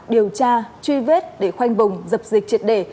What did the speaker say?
điều tra truy vết để khoanh vùng dập dịch triệt đề